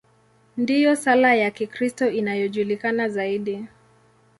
Ndiyo sala ya Kikristo inayojulikana zaidi.